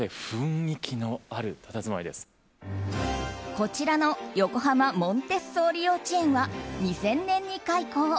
こちらの横浜・モンテッソーリ幼稚園は２０００年に開校。